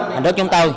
hành đất chúng tôi